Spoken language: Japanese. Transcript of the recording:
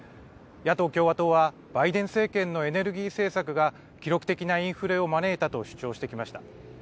野党・共和党は、バイデン政権のエネルギー政策が記録的なインフレを招いたと主張してきました。